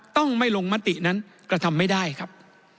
ต้องไม่ลงมตินั้นกระทำไม่ได้ครับ